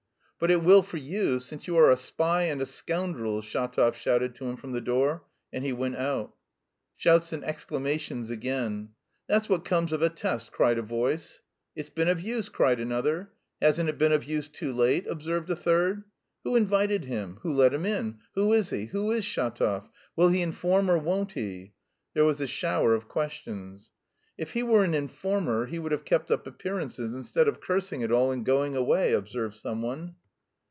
"But it will for you, since you are a spy and a scoundrel!" Shatov shouted to him from the door, and he went out. Shouts and exclamations again. "That's what comes of a test," cried a voice. "It's been of use," cried another. "Hasn't it been of use too late?" observed a third. "Who invited him? Who let him in? Who is he? Who is Shatov? Will he inform, or won't he?" There was a shower of questions. "If he were an informer he would have kept up appearances instead of cursing it all and going away," observed someone.